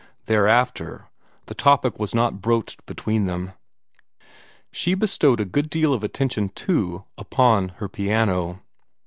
Thereafter the topic was not broached between them. She bestowed a good deal of attention, too, upon her piano.